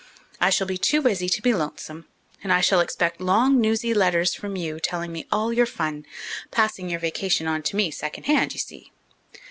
I shall be too busy to be lonesome, and I shall expect long, newsy letters from you, telling me all your fun passing your vacation on to me at second hand, you see.